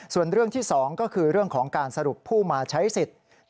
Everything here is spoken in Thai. ส่วนเรื่องที่๒ก็คือเรื่องของการสรุปผู้มาใช้สิทธิ์